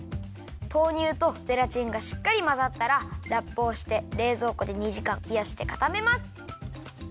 豆乳とゼラチンがしっかりまざったらラップをしてれいぞうこで２じかんひやしてかためます。